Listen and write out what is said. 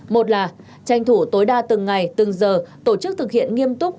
một là tranh thủ tối đa từng ngày từng giờ tổ chức thực hiện nghiêm túc